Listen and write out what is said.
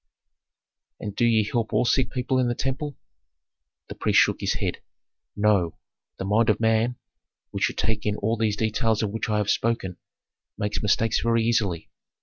"And do ye help all sick people in the temple?" The priest shook his head. "No. The mind of man, which should take in all these details of which I have spoken, makes mistakes very easily.